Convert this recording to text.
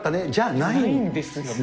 ないんですよね。